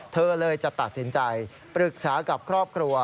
เธอเลยจะตัดสินใจปรึกษากับครอบครัว